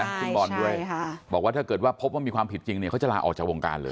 จริงบอกว่าถ้าเกิดว่าพบว่ามีความผิดจริงเขาจะลาออกจากวงการเลย